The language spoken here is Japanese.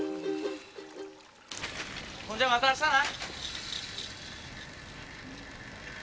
ほんじゃまたあしたな。